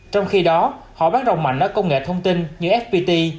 trong khi đó họ bán rồng mạnh ở công nghệ thông tin như fpt